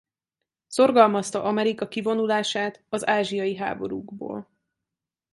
Szorgalmazta Amerika kivonulását az ázsiai háborúkból.